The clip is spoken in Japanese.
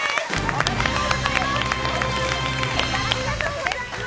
おめでとうございます。